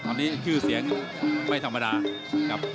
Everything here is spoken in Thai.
ตอนนี้ชื่อเสียงไม่ธรรมดาครับ